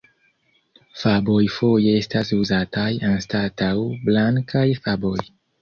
Faboj foje estas uzataj anstataŭ blankaj faboj.